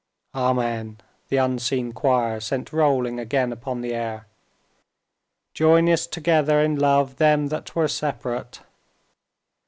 "Amen!" the unseen choir sent rolling again upon the air. "'Joinest together in love them that were separate.